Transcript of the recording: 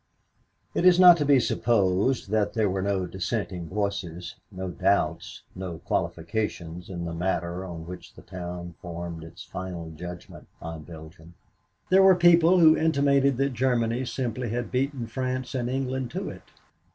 It is not to be supposed that there were no dissenting voices, no doubts, no qualifications in the matter on which the town formed its final judgment on Belgium. There were people who intimated that Germany simply had beaten France and England to it.